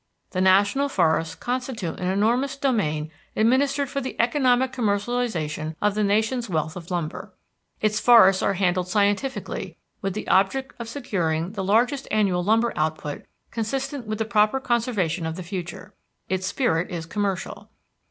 The national forests constitute an enormous domain administered for the economic commercialization of the nation's wealth of lumber. Its forests are handled scientifically with the object of securing the largest annual lumber output consistent with the proper conservation of the future. Its spirit is commercial.